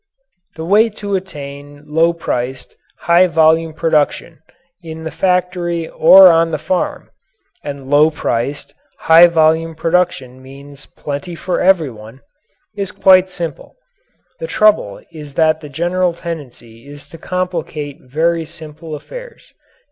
The way to attain low priced, high volume production in the factory or on the farm and low priced, high volume production means plenty for everyone is quite simple. The trouble is that the general tendency is to complicate very simple affairs.